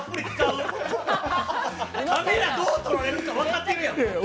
カメラどう撮られるか分かってるやろ。